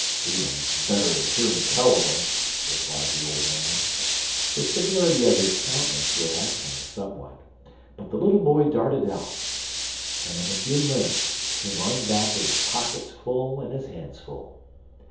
"Seein' um's better'n hearin' tell un um, replied the old man, the severity of his countenance relaxing somewhat; but the little boy darted out, and in a few minutes came running back with his pockets full and his hands full.